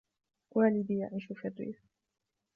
والدي يعيش في الريف.